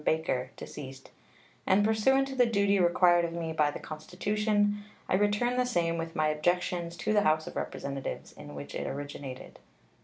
Baker, deceased," and, pursuant to the duty required of me by the Constitution, I return the same with my objections to the House of Representatives, in which it originated.